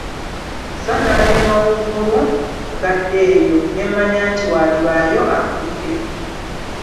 Sso nnalabye mawuugulu ng'adda eyo, ne mmanya nti waalibaayo afudde.